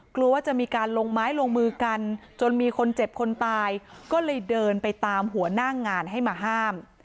กลัวว่าจะมีการลงไม้ลงมือกันจนมีคนเจ็บคนตายก็เลยเดินไปตามหัวหน้างานให้มาห้าม